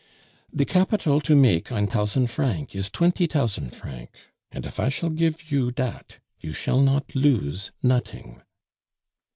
"De capital to make ein tousant franc is twenty tousand franc; and if I shall gif you dat, you shall not lose noting."